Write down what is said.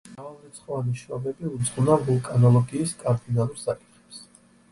მან მრავალრიცხოვანი შრომები უძღვნა ვულკანოლოგიის კარდინალურ საკითხებს.